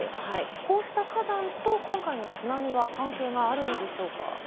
こうした火山と今回の津波は関係があるのでしょうか。